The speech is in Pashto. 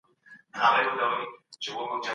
هر څوک د تعقیب وړ نه دی.